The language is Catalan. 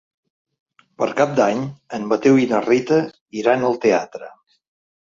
Per Cap d'Any en Mateu i na Rita iran al teatre.